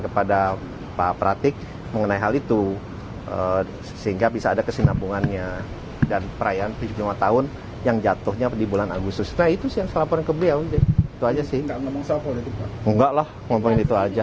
ternyata tidak sama sekali